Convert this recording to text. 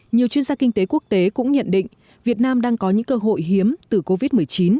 nhiều chuyên gia kinh tế quốc tế cũng nhận định việt nam đang có những cơ hội hiếm từ covid một mươi chín